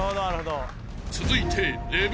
［続いて］